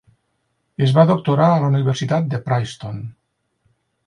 Es va doctorar a la universitat de Princeton.